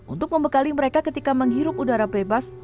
untuk membekali mereka ketika menghirup udara bebas